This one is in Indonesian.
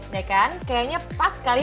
kayaknya pas sekali